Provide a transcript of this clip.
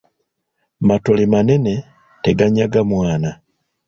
Matole manene, teganyaga mwana.